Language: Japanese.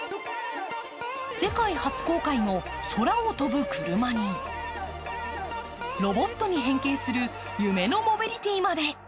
世界初公開の空を飛ぶクルマにロボットに変形する夢のモビリティまで。